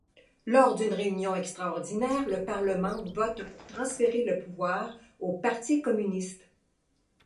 Lors d'une réunion extraordinaire, le parlement vote pour transférer le pouvoir au parti communiste.